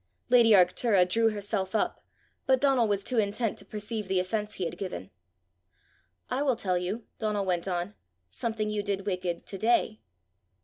Lady Arctura drew herself up; but Donal was too intent to perceive the offence he had given. "I will tell you," Donal went on, "something you did wicked to day."